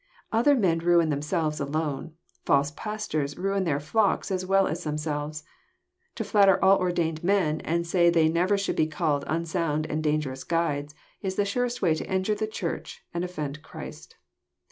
Other men ruin themselves alone: false pastors ruin their flocks as well as themselves. To flatter all ordained men, and say they never should be called unsound and dangerous guides, is the surest way to injure the Church and offend Christ.